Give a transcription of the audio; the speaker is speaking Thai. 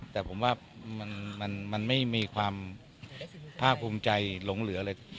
แต่ผมว่ามันไม่มีความภาคภูมิใจหลงเหลือเลย